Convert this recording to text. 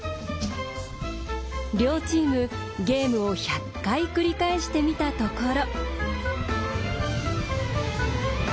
両チームゲームを１００回繰り返してみたところ。